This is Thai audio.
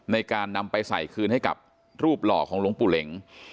ในการนำไปใส่คืนให้กับรูปหล่อของหลวงปู่เหล็ง